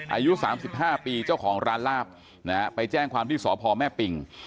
อายุ๓๕ปีเจ้าของร้านลาบนะฮะไปแจ้งความที่สพแม่ปิง